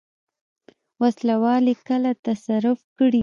وسله وال یې کله تصرف کړي.